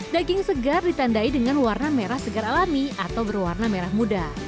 daging segar ditandai dengan warna merah segar alami atau berwarna merah muda